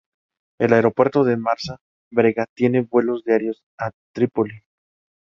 El Aeropuerto de Marsa Brega tiene vuelos diarios a Trípoli.